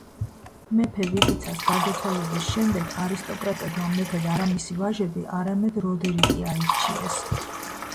მეფე ვიტიცას გარდაცვალების შემდეგ არისტოკრატებმა მეფედ არა მისი ვაჟები, არამედ როდერიკი აირჩიეს.